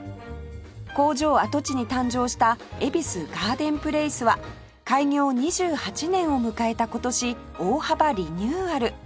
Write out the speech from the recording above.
工場跡地に誕生した恵比寿ガーデンプレイスは開業２８年を迎えた今年大幅リニューアル